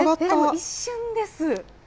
一瞬です。